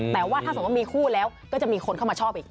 แต่ว่าถ้าสมมุติมีคู่แล้วก็จะมีคนเข้ามาชอบอีก